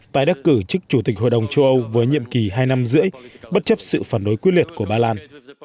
tái đắc cử chức chủ tịch hội đồng châu âu với nhiệm kỳ hai năm rưỡi bất chấp sự phản đối quyết liệt của ba lan